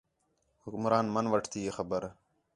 حکمران مَن وٹھتی ہِے خبر